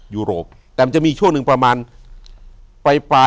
อยู่ที่แม่ศรีวิรัยิลครับ